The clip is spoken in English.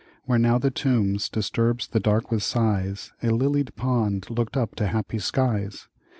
Where now the Tombs disturbs the dark with sighs,A lilied pond looked up to happy skies.